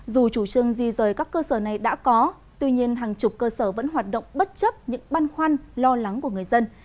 dù chủ trương di rời các cơ sở này đã có tuy nhiên hàng chục cơ sở vẫn hoạt động bất chấp những băn khoăn lo lắng của người dân